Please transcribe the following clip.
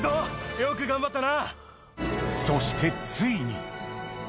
よく頑張ったな！